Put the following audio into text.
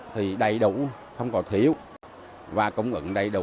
thì đầy đủ không còn thiếu và cũng gần đầy đủ